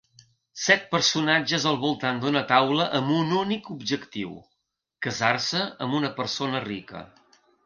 Set personatges al voltant d'una taula amb un únic objectiu: casar-se amb una persona rica.